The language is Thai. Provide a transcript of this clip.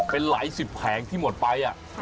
เป็นหลายสิบแผงที่หมดไป